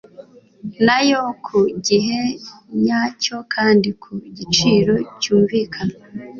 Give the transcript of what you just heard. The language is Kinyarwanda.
nayo ku gihe nyacyo kandi ku giciro cyumvikana